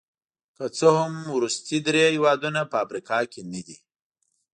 که څه هم وروستي درې هېوادونه په افریقا کې نه دي.